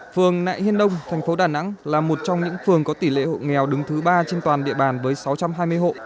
phường nại hiên đông thành phố đà nẵng là một trong những phường có tỷ lệ hộ nghèo đứng thứ ba trên toàn địa bàn với sáu trăm hai mươi hộ